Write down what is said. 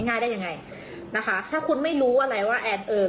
นายได้ยังไงถ้าคุณไม่รู้อะไรว่าแอด